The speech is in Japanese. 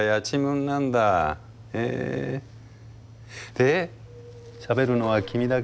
でしゃべるのは君だけ？